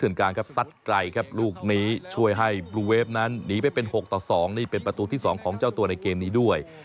นั้นหนีไปเป็น๖ต่อ๒นี่เป็นประตูที่๒ของเจ้าตัวในเกมนี้ด้วย